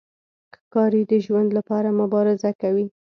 ښکاري د ژوند لپاره مبارزه کوي.